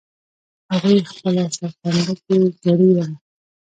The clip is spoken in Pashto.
هغوی خپله سرټمبه ګي کړې وه.